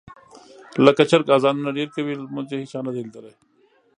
لکه چرګ اذانونه ډېر کوي لمونځ یې هېچا نه دي لیدلي.